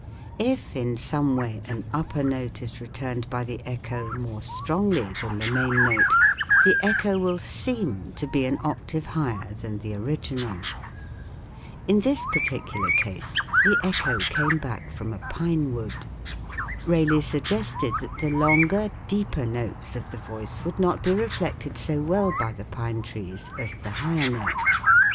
If in some way an upper note is returned by the echo more strongly than the main note, the echo will seem to be an octave higher than the original. In this particular case the echo came back from a pine wood. Rayleigh suggested that the longer, deeper notes of the voice would not be reflected so well by the pine trees as the higher notes.